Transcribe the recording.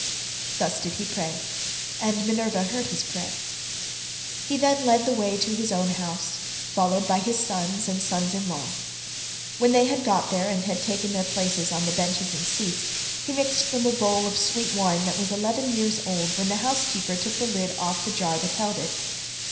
Thus did he pray, and Minerva heard his prayer. He then led the way to his own house, followed by his sons and sons in law. When they had got there and had taken their places on the benches and seats, he mixed them a bowl of sweet wine that was eleven years old when the housekeeper took the lid off the jar that held it.